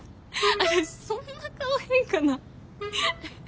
私そんな顔変かな。